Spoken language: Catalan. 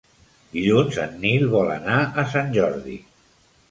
Dilluns en Nil vol anar a Sant Jordi.